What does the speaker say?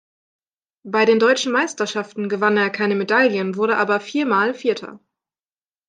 Bei den Deutschen Meisterschaften gewann er keine Medaillen, wurde aber viermal Vierter.